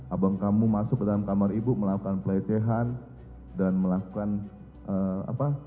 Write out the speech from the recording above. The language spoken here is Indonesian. abang kamu masuk ke dalam kamar ibu melakukan pelecehan dan melakukan apa